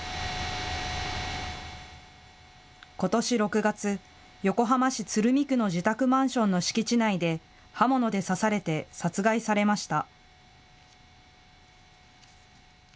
ことし６月、横浜市鶴見区の自宅マンションの敷地内で刃物で刺されて殺害されました。